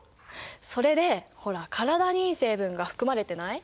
それでほら体にいい成分が含まれてない？